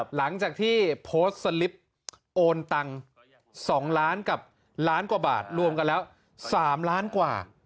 หลังจากที่โพสต์สลิปโอนตังค์๒ล้านกับล้านกว่าบาทรวมกันแล้ว๓ล้านกว่า